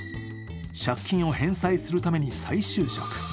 借金を返済するために再就職。